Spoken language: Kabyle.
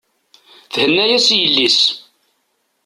Thenna-yas i yelli-s.